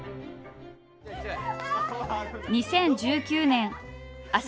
２０１９年朝